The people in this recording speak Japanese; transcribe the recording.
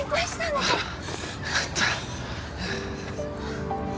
よかった